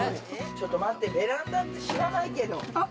ちょっと待ってベランダって知らないけど。